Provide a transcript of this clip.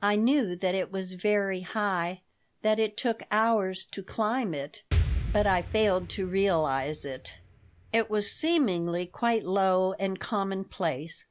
I knew that it was very high, that it took hours to climb it, but I failed to realize it It was seemingly quite low and commonplace.